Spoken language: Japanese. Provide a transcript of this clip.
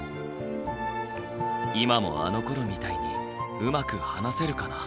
今もあのころみたいにうまく話せるかな。